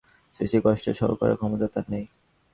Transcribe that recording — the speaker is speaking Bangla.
স্মৃতির কষ্ট সহ্য করার ক্ষমতা তাঁর নেই।